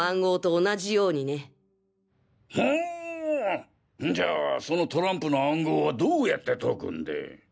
んじゃそのトランプの暗号はどうやって解くんで？